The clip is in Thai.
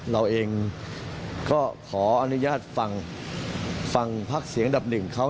เราเองก็ขออนุญาตฟังพักเสียงอันดับหนึ่งเขา